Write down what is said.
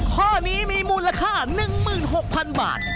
ข้อนี้มีมูลค่า๑๖๐๐๐บาท